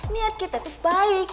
niat kita tuh baik